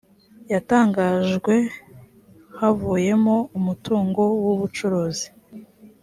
yatangajwe havuyemo umutungo w ubucuruzi